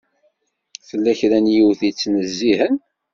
Tella kra n yiwet i yettnezzihen.